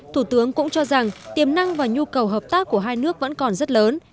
thủ tướng cũng cho rằng tiềm năng và nhu cầu hợp tác của hai nước vẫn còn rất lớn